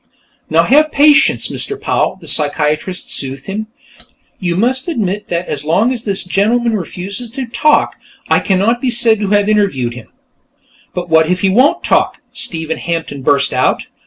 "Now, have patience, Mr. Powell," the psychiatrist soothed him. "You must admit that as long as this gentleman refuses to talk, I cannot be said to have interviewed him." "What if he won't talk?" Stephen Hampton burst out.